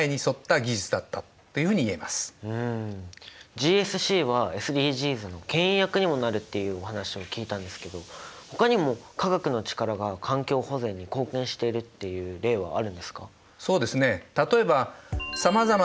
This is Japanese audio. ＧＳＣはＳＤＧｓのけん引役にもなるっていうお話を聞いたんですけどほかにも化学の力が環境保全に貢献しているっていう例はあるんですか？